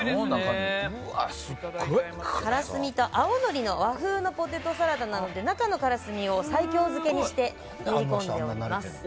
からすみと青のりの和風のポテトサラダなので中のからすみを西京漬けにして練り込んでおります。